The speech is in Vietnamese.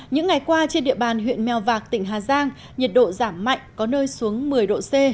những ngày qua trên địa bàn huyện mèo vạc tỉnh hà giang nhiệt độ giảm mạnh có nơi xuống một mươi độ c